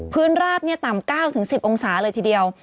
ราบต่ำ๙๑๐องศาเลยทีเดียว